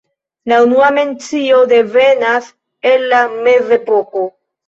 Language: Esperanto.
La unua mencio devenas el la mezepoko.